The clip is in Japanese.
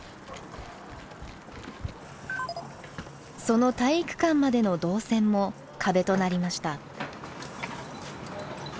その体育館までの動線も壁となりました。